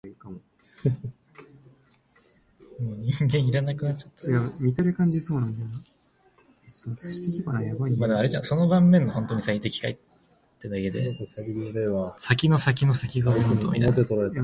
The construction of Francois-Finlay Dam earned Nipawin the nickname, "The Town of Two Lakes".